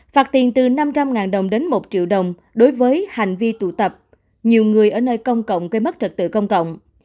phạt tiền từ năm trăm linh đồng đến một triệu đồng đối với hành vi tụ tập nhiều người ở nơi công cộng gây mất trật tự công cộng